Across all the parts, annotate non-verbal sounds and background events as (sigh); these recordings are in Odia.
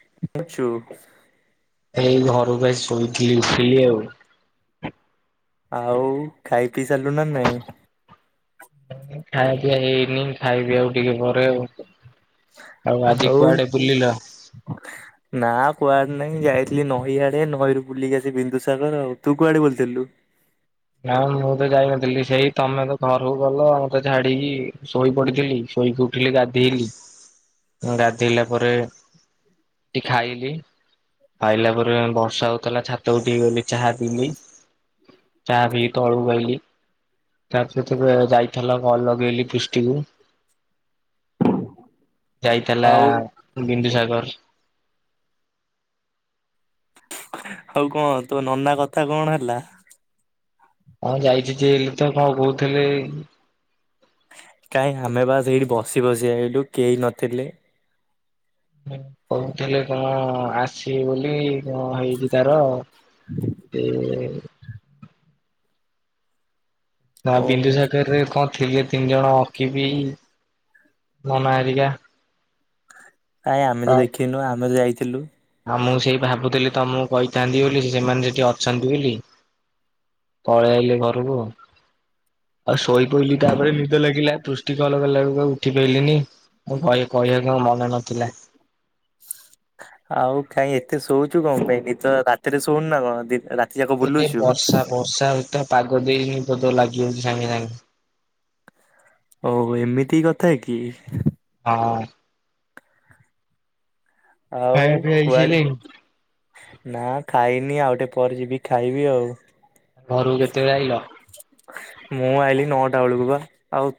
(unintelligible) ଚୁପ୍ ଏଇ ଘରକୁ ଆସି ଶୋଇଥିଲି ଉଠିଲି ଆଉ। ଆଉ ଖାଇ ପିଇ ସାରିଲୁ ନା ନାଇଁ? ଖାଇବା ପିଆ ହେଇନି, ଖାଇବି ଆଉ ଟିକେ ପରେ ଆଉ। ଆଉ ଆଜି କୁଆଡେ ବୁଲିଲ? ନା କୁଆଡେ ନାହିଁ ଯାଇଥିଲି ନଈ ଆଡେ ନଈରୁ ବୁଲିକି ଆସି ବିନ୍ଦୁସାଗର ଆଉ, ତୁ କୁଆଡେ ବୁଲିଥିଲୁ? ନା ମୁଁ ତ ଯାଇନଥିଲି ସେଇ ତୋମେ ତ ଘରକୁ ଗଲ ମୋତେ ଛାଡିକି, ଶୋଇ ପଡିଥିଲି। ଶୋଇକି ଉଠିଲି ଗାଧେଇଲି, ଗାଧେଇଲା ପରେ ଟି ଖାଇଲି। ଖାଇଲା ପରେ ବର୍ଷା ହଉଥିଲା ଛାତକୁ ଟିକେ ଗଲି ଚାହା ପିଇଲି। ଚାହା ପିଇକି ତଳକୁ ଆଇଲି। ତା ସହିତ ଯ-ଯାଇଥିଲା କଲ୍ ଲଗେଇଲି ପୃଷ୍ଟି କୁ। ଯାଇଥିଲା ଆଉ ବିନ୍ଦୁସାଗର। ଆଉ କଣ ତୋ ନନା କଥା କଣ ହେଲା? ହଁ ଯାଇଛିଥିଲୁ ତ କଣ କହୁଥିଲେ? କାହିଁ ଆମେ ବା ସେଇଠି ବସି ବସି ଆଇଲୁ କେହି ନଥିଲେ। ହେ କହୁଥିଲେ କଣ ଆସିବେ ବୋଲି। କଣ ହେଇଛି ତାର? ଏ, ନା ଓହୋ ବିନ୍ଦୁସାଗରରେ କଣ ଥିଲେ ତିନି ଜଣ ଅଖି ବି ନନା ହେରିକା। କାଇଁ ଆମେ ତ ଦେଖିନୁ ଆମେ ତ ଯାଇଥିଲୁ। ଆଉ ମୁଁ ସେଇ ଭାବୁଥିଲି ତୋମକୁ କହିଥାନ୍ତି ବୋଲି ସେମାନେ ସେଠି ଅଛନ୍ତି ବୋଲି। ପଳେଇ ଆଇଲେ ଘରକୁ, ଆଉ ଶୋଇ ପୋଇଲିି ତାପରେ ନିଦ ଲାଗିଲା। (unintelligible) ଉଠି କଲ୍ ଲଗେଇଲାବେଳକୁ ଆଉ ଉଠି ପାଇଲିନି। ଆଉ କଇ କହିବାକୁ ଆଉ ମନେ ନଥିଲା। ଆଉ କାଇଁ ଏତେ ଶୋଉଛୁ କଣ ପାଇଁ? ନିଦ ରାତିରେ ଶୋଉନୁ ନା କଣ? ଦି- ରା ଏ ଯେ ବର୍ଷା ବର୍ଷା ହିତ ପାଗ ଦେଇନି ବୋଧେ ଲାଗିଯାଉଚି ସାଙ୍ଗେ ସାଙ୍ଗେ। ହଉ ଏମିତି କଥା କି? ହଁ। ଆଉ ଖାଇବା ପିଇବା କୁଆଡେ ହେଇସାଇଲାଣି। ନା ଖାଇନି ଆଉ ଟିକେ ପରେ ଯିବି ଖାଇବି ଆଉ। ଘରକୁ କେତେବେଳେ ଆଇଲ? ମୁଁ ଆଇଲିି ନଅଟା ବେଳକୁ ବା, ଆଉ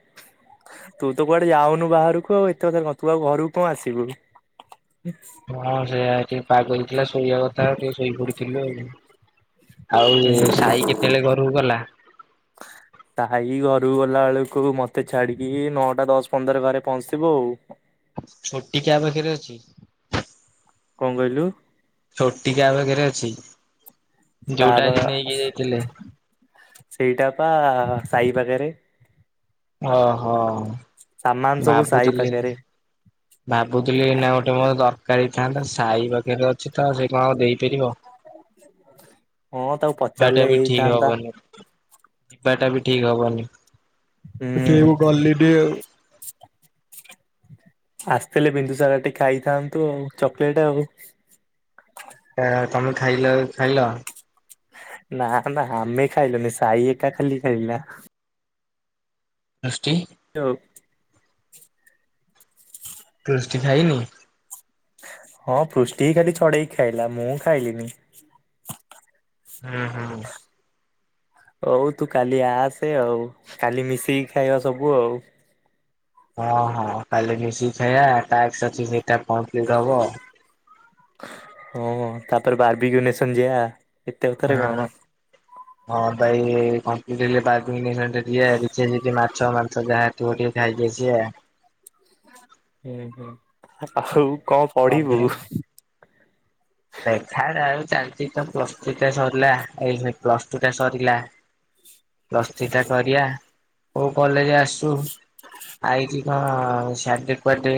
ତୁ ତ କୁଆଡେ ଯାଉନୁ ବାହାରକୁ ଆଉ, ଏତେ କଥା କହ ତୁ ଆଉ ଘରକୁ କଣ ଆସିବୁ ବି। ହଁ ସେଇଆ ଟିକେ ପାଗ ହେଇଥିଲା ଶୋଇବା କଥା ଆଉ ଟିକେ ଶୋଇପଡିଥିଲେ ଆଉ। ଆଉ ଏ ସାଇ କେତେଳେ ଘରକୁ ଗଲା? ସାଇ ଘରୁ ଗଲା ବେଳକୁ ମୋତେ ଛାଡିକି ନଅଟା ଦଶ ପନ୍ଦର ଘରେ ପହଞ୍ଚିଥିବ ଆଉ। ଛୋଟି କାହା ପାଖରେ ଅଛି। କଣ କହିଲୁ? ଛୋଟି କାହା ପାଖରେ ଅଛି ତା ଯୋଉଟା ବା ଆଜି ନେଇକି ଯାଇଥିଲେ। ସେଇଟା ପା ସାଇ ପାଖରେ। ଅ ହଁ। ସାମାନ ସବୁ ସାଇ ପାଖରେ। ଭାବୁଥିଲି ଏଇନା ଗୋଟେ ମୋରେ ଦରକାର ହେଇଥାନ୍ତା, ସାଇ ପାଖରେ ଅଛି ତ ସେଇ କଣ ଦେଇପାରିବ। ହଁ, ତାକୁ ପଚାରିଲେ ହେଇଥାନ୍ତା। ଯିବା ଟା ବି ଠିକ ହବନି, ସେଥିପାଇଁ ହୁଁ ମୁଁ ଗଲିନି ଆଉ। ଆସିଥିଲେ ବିନ୍ଦୁସାଗରଠି ଖାଇଥାନ୍ତୁ ଆଉ ଚକୋଲେଟ ଆଉ। ତମେ ଖାଇଲ ଖାଇଲ? ନାଁ ନାଁ ଆମେ ଖାଇଲୁନି ସାଇ ଏକା ଖାଲି ଖାଇଲା। (unintelligible) ହଁ (unintelligible) ପୃଷ୍ଟି ଖାଇନି? ହଁ ପୃଷ୍ଟି ହିଁ ଖାଲି ଛଡେଇକି ଖାଇଲା, ମୁଁ ଖାଇଲିନି। ହୁଁ ହୁଁ। ହଉ ତୁ କାଲି ଆସେ ଆଉ, କାଲି ମିଶିକି ଖାଇବା ସବୁ ଆଉ। ହଁ ହଁ କାଲି ମିଶିକି ଖାଇବା (unintelligible) ହଁ ତାପରେ ବାର୍ବି ୟୁନେସନ୍ ଯିଆ। ହଁ। (unintelligible) ହଁ ଭାଇ କଂପ୍ଲିଟ୍ ହେଲେ (unintelligible) ମାଛ ମାଂସ ଯାହା। ଥିବ ଟିକେ ଖାଇକି ଆସିବା। ହୁଁ ହୁଁ, ଆଉ କଣ ପଢିବୁ? ଦେଖାଯାଉ ଚାଲିଛି ତ ପ୍ଲସ୍ ଥ୍ରି ଟା ସରିଲା, ଏହେ ପ୍ଲସ ଟୁ ଟା ସରିଲା। ପ୍ଲଥ୍ରୀଟା କରିବା କୋଉ କଲେଜ ଆସୁ? ଆଇଛି କଣ ସିଆଡେ କୁଆଡେ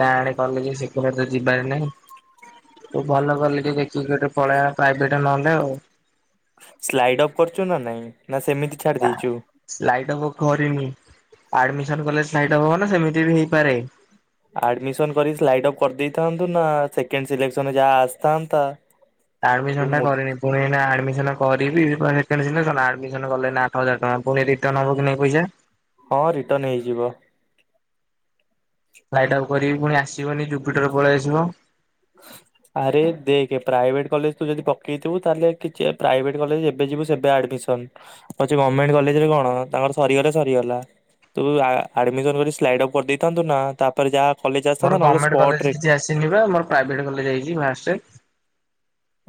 ତା ଆଡେ କଲେଜ ସେଗୁଡା ତ ଯିବାର ନାଇଁ। ଭଲ କଲେଜ୍ ଦେଖିକି ଗୋଟେ ପଳେଇବା ପ୍ରାଇଭେଟ ନହେଲେ ଆଉ। ସ୍ଲାଇଡ ଅପ୍ କରିଚୁ ନା ନାଇଁ, ନା ସେମିତି ଛାଡି ତା। (unintelligible) ଦେଇଛୁ। ସ୍ଲାଇଡ୍ ଅପ୍ କରିନି ଆଡମିସନ କଲେ ସ୍ଲାଇଡ୍ ଅପ୍ ହବନା ସେମିତି ବି ହେଇପାରେ? ଆଡମିସନ କରିକି ସ୍ଲାଇଡ୍ ଅପ୍ କରିଦେଇଥାନ୍ତୁ ନା ସେକେଣ୍ଡ ସିଲେକସନ୍ ରେ ଯାହା ଆସିଥାନ୍ତା। ତୁ ଆଡମିଶନ ଟା ମୂର୍ କରିନି। ପୁଣି ଏଇନା ଆଡ଼ମିସନ କରିବି, ପୁଣି ସେକେଣ୍ଡ ସିଲେକ୍ସନ। ଆଡ଼ମିସନ କଲେ ଏଇନା ଆଠ ହଜାର ଟଙ୍କା। ପୁଣି ରିଟର୍ନ ହେବ କି ନାଇଁ ପଇସା? ହଁ ରିଟନ୍ ହେଇଯିବ। ସ୍ଲାଇଡ୍ ଅପ୍ କରିବି ପୁଣି ଆସିବନି ଜୁପିଟର ପଳେଇ ଆସିବ। (inaudible) ଆରେ ଦେଖେ ପ୍ରାଇଭେଟ କଲେଜ ତୁ ଯଦି ପକେଇଥିବୁ ତାହେଲେ କିଛି ପ୍ରାଇଭେଟ କଲେଜ୍ ଯେବେ ଯିବୁ ସେବେ ଆଡମିସନ। ଆଉ ଯୋଉ ଗଭର୍ଣମେଣ୍ଟ କଲେଜରେ କଣ ତାଙ୍କର ସରିଗଲେ ସରିଗଲା। ତୁ ଆ ଆଡମିସନ୍ କରିକି ସ୍ଲାଇଡ ଅଫ୍ କରିଦେଇଥାନ୍ତୁ ନା, ତା ପରେ ଯାହା କଲେଜ ମୋର ଆସିଥାନ୍ତା ନହେଲେ ଗଭର୍ଣମେଣ୍ଟ କଲେଜ ସ୍ପଟରେ କିଛିଆସିନି ବା ମୋର ପ୍ରାଇଭେଟ୍ କଲେଜ ଆସିଛି ଫାଷ୍ଟ।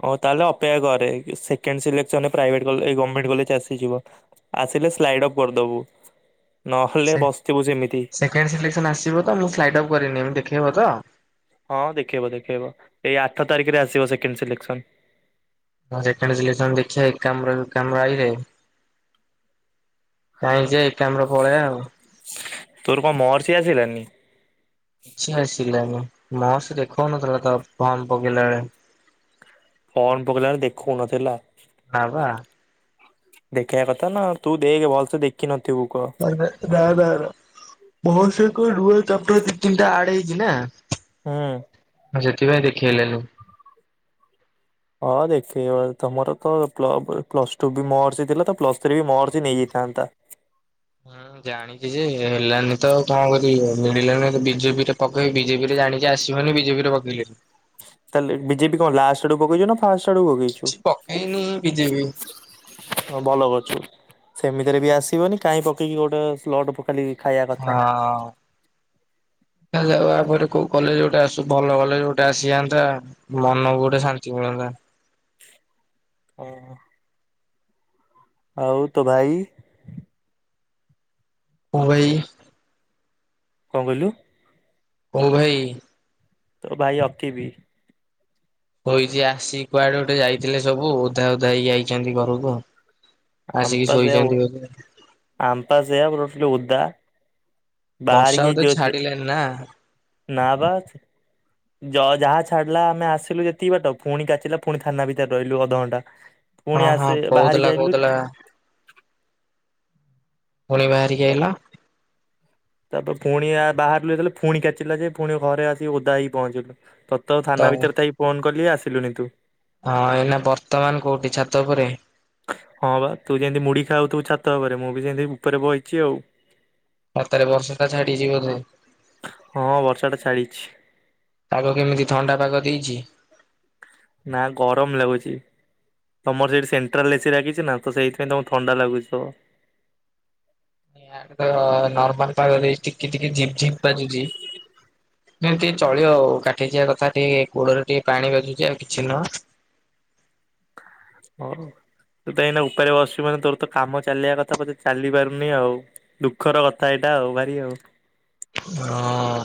ହଉ ତାହେଲେ ଅପେକ୍ଷା କରେ ସେକେଣ୍ଡ ସିଲେକ୍ସନରେ ପ୍ରାଇଭେଟ କଲେଜ ଏ ଗମେଣ୍ଟ କଲେଜ୍ ଆସିଯିବ। ଆସିଲେ ସ୍ଲାଇଡଅପ୍ କରିଦବୁ, ନହେଲେ ସେ ନାଇଁ ବସିଥିବୁ ସେମିତି। ସେକେଣ୍ଡ ସିଲେକ୍ସନ ଆସିବ ତ ମୁଁ ସ୍ଲାଇଡଅପ୍ କରିନି, ଏଇନେ ଦେଖେଇବ ତ? ହଁ ଦେଖେଇବ ଦେଖେଇବ ଏଇ ଆଠ ତାରିଖ୍ ରେ ଆସିବ ସେକେଣ୍ଡ ସିଲେକ୍ସନ। ମୁଁ ସେକେଣ୍ଡ ସିଲେକ୍ସନ୍ ଦେଖିଆ ଏକାମ୍ର କାମ୍ର ଆଇଲେ କାଇଁ ଯେ ଏଆମ୍ର ପଳେବା ଆଉ। ତୋର କଣ ମହର୍ଷି ଆସିଲାନି? କିଛି ଆସିଲାଣି ମହସି ଦେଖାଉନଥିଲା ତ ଫର୍ମ ପକେଇଲା ବେଳେ। ଫର୍ମ ପକେଇଲା ବେଳେ ଦେଖୋଉ ନଥିଲା। ନାଁ ବା। ଦେଖେଇବା କଥା ନା ତୁ ଦେଖେ ଭଲ୍ ସେ ଦେଖିନଥିବୁ କ ଏଡ଼ା ନା ନା ଓଭର୍ ସିକ୍ ରୁଲ୍ ଚାପଟର ଦି ତିନିଟା ଆଡ଼ ହେଇଛି ନା? ହୁଁ। ସେଥିପାଇଁ ଦେଖେଇଲାନି। ହଁ ଦେଖେଇବ ତମର ତ ପ୍ଲ ପ୍ଳସ୍ ଟୁ ବି ମହର୍ଷି ଥିଲା ତ ପ୍ଲସ୍ ଥ୍ରୀ ବି ମହର୍ଷି ନେଇଯାଇଥାନ୍ତା। ହୁଁ ଜାଣି ଛି ଯେ ହେଲାନି ତ କଣ କରିବି ମିଳିଲାନି ବିଜେପିରେ ପକେଇବି ବିଜେପି ରେ ଜାଣି ଚି ଆସିବନି ବିଜେପିରେ ପକେଇଲିନି। ତାଲେ ବିଜେପି କଣ ଲାଷ୍ଟ୍ ଆଡୁକୁ ପକେଇଛୁ ନା ଫାଷ୍ଟ୍ ଆଡ଼କୁ ପକେ କିଛି ପକେଇନି ବିଜେବିି। ହଁ ଭଲ କରିଛୁ ସେମିତିରେ ବି ଆସିବନି କାହିଁ ପକେଇକି ଗୋଟେ ସ୍ଲଟ ଖାଲି ଖାଇବା କଥା ହଁ। ଦେଖାଯାଉ ଆପରେ କୋଉ କଲେଜ୍ ଗୋଟେ ଆସୁ ଭଲ କଲେଜ ଗୋଟେ ଆସିଯାଆନ୍ତା। ମନକୁ ଗୋଟେ ଶାନ୍ତି ମିଳନ୍ତା। ଏଁ। ଆଉ ତୋ ଭାଇ? (unintelligible) କଣ କହିଲୁ? କୋଉ ଭାଇ? ତୋ ଭାଇ ଅକି ବି। କହିଛି ଆସିିକି କୁଆଡେ ଗୋଟେ ଯାଇଥିଲେ ସବୁ ଓଧା ଓଧା ହେଇକି ଆଇଛନ୍ତି ଘରକୁ। ଆସିକି ଆମପା ସେ ଶୋଇଛନ୍ତି ବୋଧେ ଆମ୍ପା ସେ ରଟ ଉଦା ବର୍ଷା ବୋଧେ ବାହାରିକି (unintelligible) ଛାଡିଲାନି ନା। ନା ବା। ଯ ଯାହା ଛାଡିଲା ଆମେ ଆସିଲୁ ଯେତିକି ବାଟ ପୁଣି କାଚିଲା ପୁଣି ଥାନା ଭିତରେ ରହିଲୁ ଅଧଘଣ୍ଟା। ପୁଣି ହଁ ହଁ ଆସେ ବାହାରିକି କହୁଥିଲା ଆଇଲୁ କହୁଥିଲା। ପୁଣି ବାହାରିକି ଆଇଲ ତାପରେ ପୁଣି ବାହାରିଲୁ ଯେତେ ପୁଣି କାଚିଲା ଯେ ପୁଣି ଘରେ ଆସି ଓଦା ହେଇକି ପହଞ୍ଚିଲୁ। ତ ଥାନା ଭିତରେ ଥାଇ ଫୋନ କଲି ଆସିଲୁନି ତୁ। ହଁ ଏଇନା ବର୍ତମାନ କୋଉଠି ଛାତ ଉପରେ? ହଁ ବା ତୁ ଯେମିତି ମୁଢି ଖାଉ ତୁ ଛାତ ଉପରେ ମୁଁ ବି ଯେମିତି ଉପରେ ବଇଛି ଆଉ। ରାତରେ ବର୍ଷ ଟା ଛାଡିଛିି ବୋଧେ। ହଁ ବର୍ଷାଟା ଛାଡ଼ିଛି। ପାଗ କେମିତି ଥଣ୍ଡା ପାଗ ଦେଇଛି? ନା ଗରମ ଲାଗୁଛି। ତମର ସେଠି ସେଣ୍ଟ୍ରାଲ ଏସି ଲାଗିଛି ନା ତ ସେଇଥିପାଇଁ ତମକୁ ଥଣ୍ଡା ଲାଗୁଥବ ଆଡେ ତ ନର୍ମାଲ ପାାଗରେ ଟିକେ ଟିକେ ଝିପ୍ ଝିପ୍ ବାଜୁଛି ଏତିିକେ ଚଳିବ ଆଉ କାଠେଇ ଯିବା କଥା ଟିକେ ଗୋଡରେ ଟିକେ ପାଣି ବାଜୁଛି ଆଉ କିଛି ନୁହଁ ହଉ ତୁ ତ ଏଇନା ଉପରେ ବସି ଚୁ ମାନେ ତୋର ତ କାମ ଚାଲିବା କଥା ବତେ ଚାଲି ପାରୁନି ଆଉ ଦୁଃଖର କଥା ଏଇଟା ଆଉ ଭାରି ଆଉ ହଁ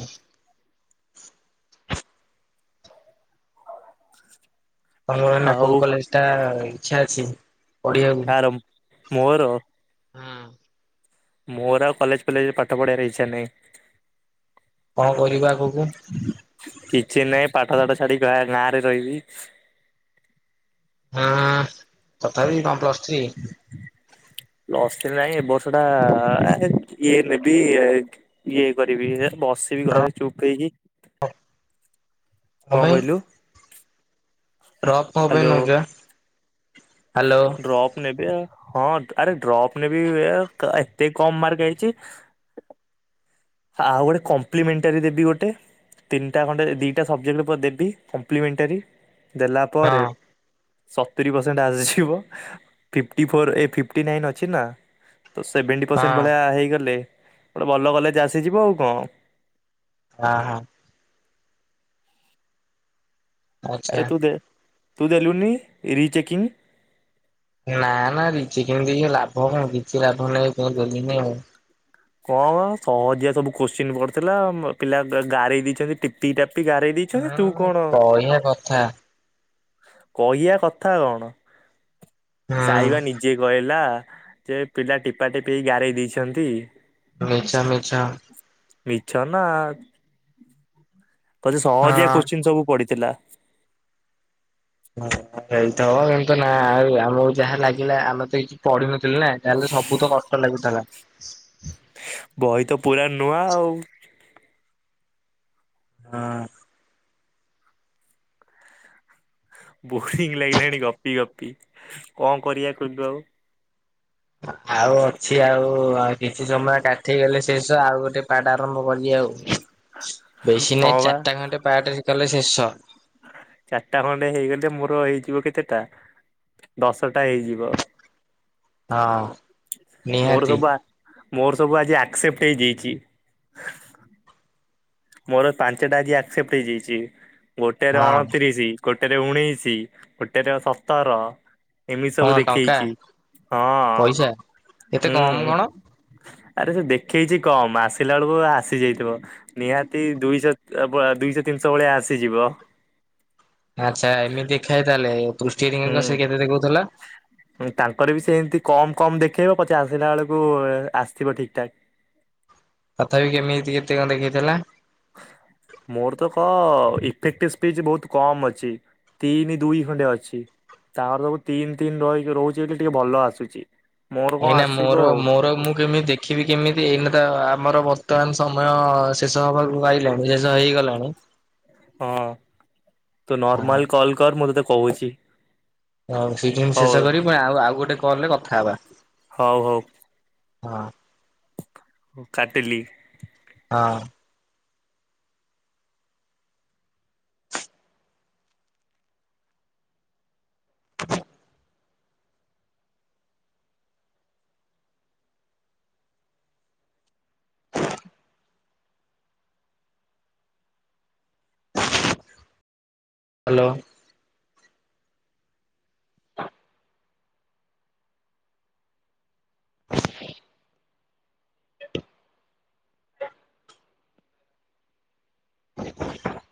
ତମର ଏଇ ନା ହଉ କୋଉ କଲେଜ ଟା ଇଚ୍ଛା ଅଛି ପଢିବାକୁ ମୋର ହୁଁ ମୋର ଆଉ କଲେଜ ଫଲେଜରେ ପାଠ ପଢ଼ିବାର ଇଛା ନାହିଁ କଣ କରିବା ଆଗକୁ କିଛି ନାହିଁ ପାଠ ଶାଠ ଛାଡି ଗାଁ ରେ ରହିବି ହଁ ତଥାପି କଣ ପ୍ଲସ୍ ଥ୍ରୀ ପ୍ଲସ୍ ଥ୍ରୀ ନାଇଁ ଏ ବର୍ଷଟା ଇଏ ନେବି ଇଏ କରିବି ବସିବି ଘରେ ଡ୍ରପ୍ ଚୁପ୍ ହେଇକି କଣ କହିଲୁ ରପ୍ କ ପାଇଁ ହ୍ୟାଲୋ ନଉଚ ବା ହ୍ୟାଲୋ ଡ୍ରପ୍ ନେବି ଆଉ ହଁ ଆରେ ଡ୍ରପ୍ ନେବି ଏତେ କମ ମାର୍କ ଆଇଚି ଆଉ ଗୋଟେ କମ୍ପ୍ଲିମେଣ୍ଟାରୀ ଦେବି ଗୋଟେ ତିନିଟା ଖଣ୍ଡେ ଦିଇଟା ସବଜେକ୍ଟ ଦେବି କମ୍ପ୍ଲିମେଣ୍ଟାରୀ ଦେଲା ହଁ ପରେ ହଁ ସତୁରି ପରସେଣ୍ଟ ଆସିଯିବ ଫିଫ୍ଟି ଫୋର୍ ଏ ଫିଫ୍ଟି ନାଇନ୍ ଅଛି ନା ତ ସେଭେଣ୍ଟି ପରସେଣ୍ଟ ହଁ ଭଳିଆ ହେଇଗଲେ ଗୋଟେ ଭଲ କଲେଜ ଆସିଯିବ ଆଉ କଣ ହଁ ହଁ ଆଚ୍ଛା ଆରେ ତୁ ଦେ ତୁ ଦେଲୁନି ରିଚେକିଂ ନା ନା ରିଚି କିମତି ଲାଭ କଣ କିଛି ଲାଭ ନାହିଁ ଗଲିନି ଆଉ କଁ ସହଜିଆ ସବୁ କୋଶ୍ଚିନ୍ ପଡିଥିଲା ପିଲା ଗାରେଇ ଦେଇଛନ୍ତି ଟେ ପି ଟାପି ଗାରେଇ ଦେଇଛନ୍ତି ତୁ ହୁଁ କଣ କହିବା କଥା କଇଆ କଥା କଣ ହୁଁ ସାଇବା ନିଜେ କହିଲା ଯେ ପିଲା ଟିପାଟିପି ଏଇ ଗାରେଇ ଦେଇଛନ୍ତି ମିଛ ମିଛ ମିଛ ନା ବୋଧେ ହଁ। ସହଜଆ କୋଶ୍ଚିନ୍ ସବୁ ପଡିଥିଲା ହଁ ହେଇଥିବ କିନ୍ତୁ ନା ଆଉ ଆମକୁ ଯାହା ଲାଗିଲା ଆମେ ତ ପଢିନଥିଲି ନା ତାହେଲେ ସବୁ ତ କଷ୍ଟ ଲାଗୁଥିଲା ବହି ତ ପୁରା ନୂଆଁ ଆଉ ହଁ ବୋରିଙ୍ଗ ଲାଗିଲାଣି ଗପି ଗପି କଣ କରିବା କହିଲୁ ଆଉ ଆଉ ଅଛି ଆଉ ଆଉ କିଛି ସମୟ କାଠେଇଗଲେ ଶେଷ ଆଉ ଗୋଟେ ପାର୍ଟ ଆରମ୍ଭ କରିବି ଆଉ ବେଶୀ ହଁ ନାଇଁ ବା ଚାରିଟା ଖଣ୍ଡେ ପାର୍ଟ ହେଇ ଗଲେ ଶେଷ ଚାରିଟା ଖଣ୍ଡେ ହେଇଗଲେ ମୋର ହେଇଯିବ କେତେଟା ଦଶଟା ହେଇଯିବ ହଁ ମୋର ନିହାତି। ସବୁ ଆ ମୋର ସବୁ ଆଜି ଆକ୍ସେପ୍ଟ ହେଇଯାଇଛି ମୋର ପାଞ୍ଚଟା ଆଜି ଆକ୍ସେପ୍ଟ ହେଇଯାଇଛି ଗୋଟେରେ ହଁ ଅଣତିରିଶି ଗୋଟେରେ ଉଣେଇଶି ଗୋଟେରେ ସତର ଏମିତି ସବୁ କଣ ଟଙ୍କା ଦେଖେଇଛି ହଁ ପଇସା ଏତେ ହୁଁ କମ କଣ? ଆରେ ସେ ଦେଖେଇଛି କମ୍ ଆସିଲା ବେଳକୁ ଆସିଯାଇଥିବ ନିହାତି ଦୁଇଶହ ଦୁଇଶହ ତିନିଶହ ଭଳିଆ ଆସିଯିବ। ଆଛା ଏମିତି ଖାଏ ତାଲେ ପୃଷ୍ଟି ବିହନ ସେ ହୁଁ। କେତେ ଦେଖଉଥିଲା? ତାଙ୍କର ବି ସେଏମିତି କମ୍ କମ୍ ଦେଖେଇବ। ପଛେ ଆସିଲା ବେଳକୁ ଆସିଥିବ ଠିକଠାକ୍। ତଥାପି କେମିତି କେତେ କଣ ଦେଖେଇଥିଲା? ମୋର ତ ଖ ଇଫେକ୍ଟିଭ ସ୍ପିଚ୍ ବୋହୁତ କମ୍ ଅଛି। ତିନି ଦୁଇ ଖଣ୍ଡେ ଅଛି। ତାର ସବୁ ତିନି ତିନି ରହିକି ରହୁଛି ବୋଲି ଟିକେ ଭଲ ଆସୁଛି। ମୋର କଣ ଏଇନା ଆସିବ ମୋର ଆଉ ମୋର ମୁଁ କେମିତି ଦେଖିବି। କେମିତି ଏଇନା ତ ଆମର ବର୍ତ୍ତମାନ ସମୟ ଶେଷ ହବାକୁ ଆଇଲାଣି ଶେଷ ହେଇଗଲାଣି। ହଁ ତୁ ହଁ। ନର୍ମାଲ କଲ୍ କର ମୁଁ ତୋତେ କହୁଛି। ହଉ ସେଇଠି ମୁଁ ହଉ ଶେଷ କରିବି। ପୁଣି ଆଉ ଆଉ ଗୋଟେ କଲ୍ ରେ କଥା ହବା ହଉ ହଁ। ହଉ କାଟିଲି। ହଁ। (inaudible) ହାଲୋ। (inaudible) (inaudible)